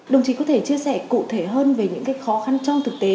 đồng chí có thể chia sẻ cụ thể hơn về những khó khăn trong thực tế